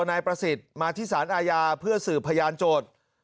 นายประสิทธิ์มาที่สารอาญาเพื่อสืบพยานโจทย์